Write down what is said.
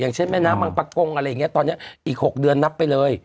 อย่างเช่นแม่น้ำประกงอะไรอย่างเงี้ยตอนเนี้ยอีกหกเดือนนับไปเลย